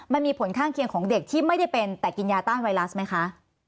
มันมีผลข้างเคียงของเด็กที่ไม่ได้เป็นแต่กินยาต้านไวรัสไหมคะ